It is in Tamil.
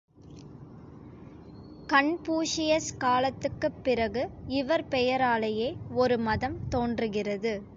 கன்பூஷியஸ் காலத்துக்குப் பிறகு இவர் பெயராலேயே ஒரு மதம் தோன்றுகிறது.